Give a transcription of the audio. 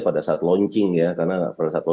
pada saat launching ya karena pada saat awal